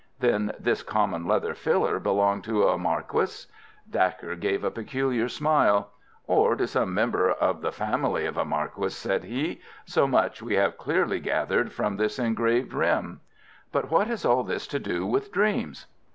"Then this common leather filler belonged to a marquis?" Dacre gave a peculiar smile. "Or to some member of the family of a marquis," said he. "So much we have clearly gathered from this engraved rim." "But what has all this to do with dreams?"